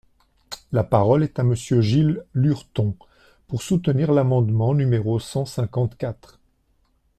La parole est à Monsieur Gilles Lurton, pour soutenir l’amendement numéro cent cinquante-quatre.